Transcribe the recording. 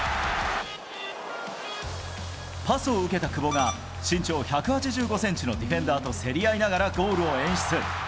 パスを受けた久保が身長１８５センチのディフェンダーと競り合いながらゴールを演出。